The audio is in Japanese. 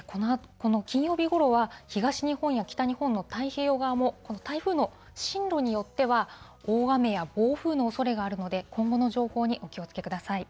この金曜日ごろは、東日本や北日本の太平洋側も、この台風の進路によっては、大雨や暴風のおそれがあるので、今後の情報にお気をつけください。